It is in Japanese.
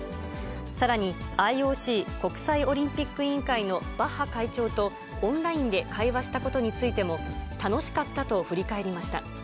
さらに、ＩＯＣ・国際オリンピック委員会のバッハ会長とオンラインで会話したことについても、楽しかったと振り返りました。